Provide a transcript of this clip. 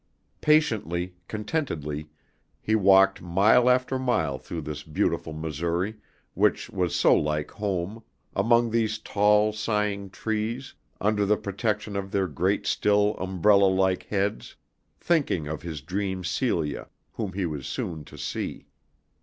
Patiently, contentedly, he walked mile after mile through this beautiful Missouri which was so like home, among these tall, sighing trees, under the protection of their great still umbrella like heads, thinking of his dream Celia, whom he was so soon to see.